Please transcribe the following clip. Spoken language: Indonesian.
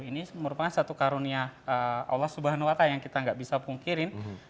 ini merupakan satu karunia allah swt yang kita nggak bisa pungkirin